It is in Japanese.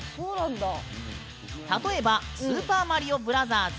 例えば「スーパーマリオブラザーズ」。